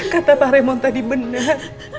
kata pak remon tadi benar